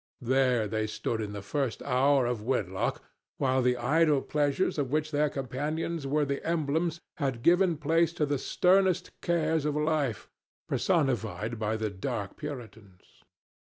There they stood in the first hour of wedlock, while the idle pleasures of which their companions were the emblems had given place to the sternest cares of life, personified by the dark Puritans.